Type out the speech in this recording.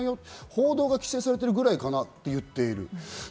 報道が規制されているくらいかなと言っている。